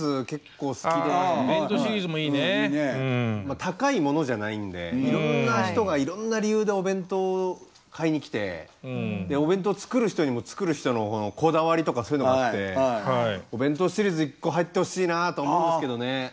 高いものじゃないんでいろんな人がいろんな理由でお弁当を買いにきてお弁当を作る人にも作る人のこだわりとかそういうのもあって弁当シリーズ一個入ってほしいなと思うんですけどね。